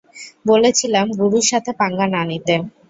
বলেছিলাম গুরুর সাথে পাঙ্গা না নিতে।